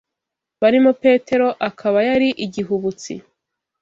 barimo Petero, akaba yari igihubutsi